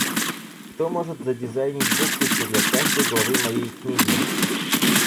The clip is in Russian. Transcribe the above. Кто может задизайнить буквицу для каждой главы моей книги?